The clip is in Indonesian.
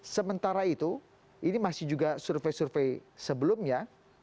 sementara itu ini masih juga survei survei sebelumnya